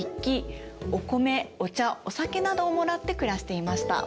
お酒などをもらって暮らしていました。